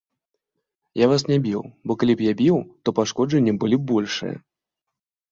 Я вас не біў, бо калі б я біў, то пашкоджанні былі б большыя.